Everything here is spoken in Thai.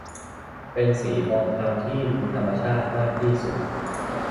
เป็นสีทองคำที่ดูธรรมชาติมากที่สุด